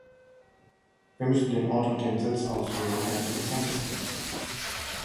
Wir müssen den Ort und den Sitz auswählen, der am effizientesten ist.